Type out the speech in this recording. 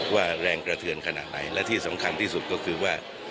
แรงกระเทือนขนาดไหนและที่สำคัญที่สุดก็คือว่า